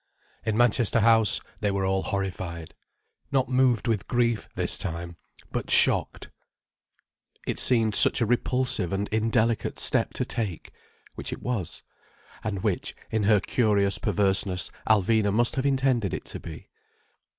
In Manchester House they were all horrified—not moved with grief, this time, but shocked. It seemed such a repulsive and indelicate step to take. Which it was. And which, in her curious perverseness, Alvina must have intended it to be.